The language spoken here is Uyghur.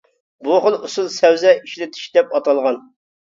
بۇ خىل ئۇسۇل «سەۋزە» ئىشلىتىش، دەپ ئاتالغان.